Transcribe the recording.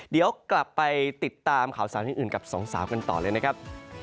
เดี๋ยวกลับไปติดตามข่าวสารอื่นกับสองสาวกันต่อเลยนะครับ